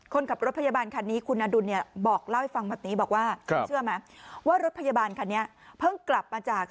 คนขับรถพยาบาลคันนี้คุณอดุลเนี่ยบอกเล่าให้ฟังแบบนี้บอกว่าเชื่อไหมว่ารถพยาบาลคันนี้เพิ่งกลับมาจาก